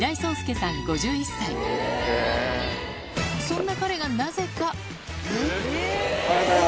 そんな彼がなぜかえっ